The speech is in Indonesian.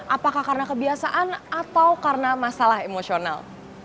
apakah karena kebiasaan atau karena masalah emosional